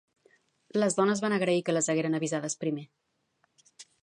Les dones van agrair que les hagueren avisades primer.